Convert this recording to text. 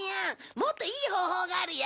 もっといい方法があるよ。